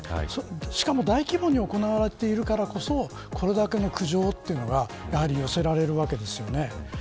しかも大規模に行われているからこそこれだけの苦情というのが寄せられるわけですよね。